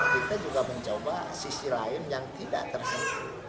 kita juga mencoba sisi lain yang tidak tersentuh